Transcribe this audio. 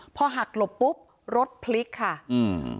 พอหักหลบปุ๊บรถพลิกค่ะอืม